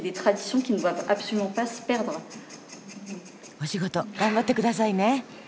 お仕事頑張ってくださいね。